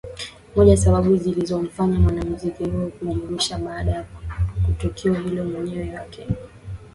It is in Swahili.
moja sababu zilizomfanya mwanamuziki huyo kujirusha Baada ya tukio hilo wenyeji wake ambao walikuwa